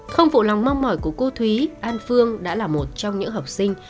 không phụ lòng mong mỏi của cô thúy an phương đã là một trong những học sinh